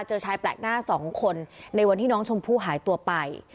เจอชายแปลกหน้าสองคนในวันที่น้องชมพู่หายตัวไป